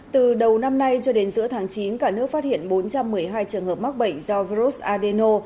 từ đầu năm nay cho đến giữa tháng chín cả nước phát hiện bốn trăm một mươi hai trường hợp mắc bệnh do virus adeno